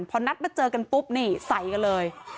พอนัดมาเจอกันปุ๊บนี่ใส่กันเลย